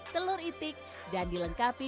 telur itik dan dilengkapi